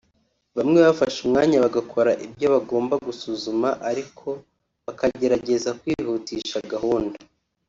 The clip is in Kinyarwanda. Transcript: bafashe umwanya bagakora ibyo bagomba gusuzuma ariko bakageragaza kwihutisha gahunda